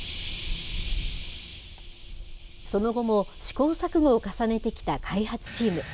その後も試行錯誤を重ねてきた開発チーム。